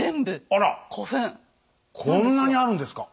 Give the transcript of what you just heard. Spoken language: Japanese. あらこんなにあるんですか？